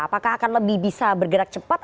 apakah akan lebih bisa bergerak cepat